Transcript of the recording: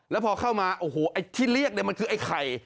แล้วพอเข้ามาโอ้โหไอ้ที่เรียกเนี่ยมันคือไอ้ไข่